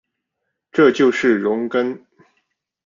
这就是容庚。